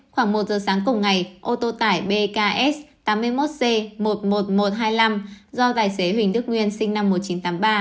khoảng một giờ sáng cùng ngày ô tô tải bk tám mươi một c một mươi một nghìn một trăm hai mươi năm do tài xế huỳnh đức nguyên sinh năm một nghìn chín trăm tám mươi ba